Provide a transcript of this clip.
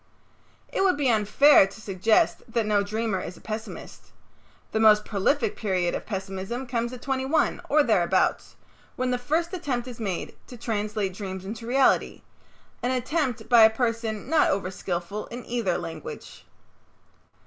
It would be unfair to suggest that no dreamer is a pessimist. The most prolific period of pessimism comes at twenty one, or thereabouts, when the first attempt is made to translate dreams into reality, an attempt by a person not over skillful in either language.